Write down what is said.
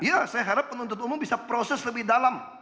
iya saya harap penuntut umum bisa proses lebih dalam